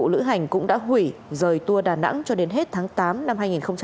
lữ hành cũng đã hủy rời tour đà nẵng cho đến hết tháng tám năm hai nghìn hai mươi